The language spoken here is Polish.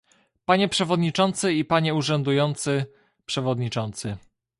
Panie przewodniczący i panie urzędujący przewodniczący